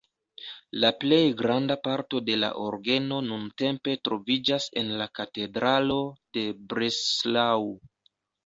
La plej granda parto de la orgeno nuntempe troviĝas en la katedralo de Breslau.